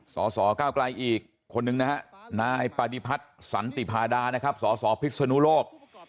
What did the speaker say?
สอสอก้าวกลายอีกคนหนึ่งนะครับนายปฏิพัฒน์สันติพาดานะครับสอสอภิกษณุโลก